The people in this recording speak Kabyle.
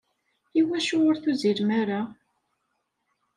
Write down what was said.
Iwacu ur tuzzilem ara?